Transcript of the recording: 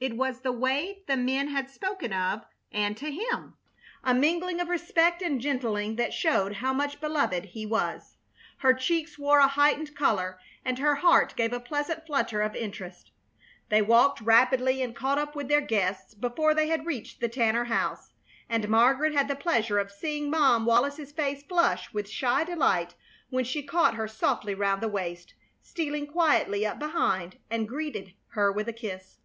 It was the way the men had spoken of and to him, a mingling of respect and gentling that showed how much beloved he was. Her cheeks wore a heightened color, and her heart gave a pleasant flutter of interest. They walked rapidly and caught up with their guests before they had reached the Tanner house, and Margaret had the pleasure of seeing Mom Wallis's face flush with shy delight when she caught her softly round the waist, stealing quietly up behind, and greeted her with a kiss.